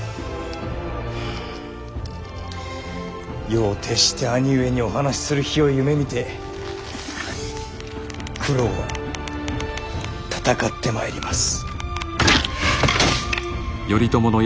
夜を徹して兄上にお話しする日を夢みて九郎は戦ってまいります。